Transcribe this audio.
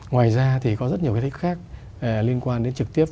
ngoài ra thì có rất nhiều thách khác liên quan đến trực tiếp